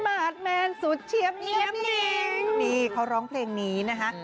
มาร์ทแมนสุดเชียบเหนียบหนึ่งนี่เขาร้องเพลงนี้นะฮะ